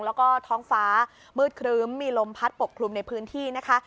แล้วก็ท้องฟ้ามืดครึ้มมีลมพัดปกคลุมในพื้นที่นะคะ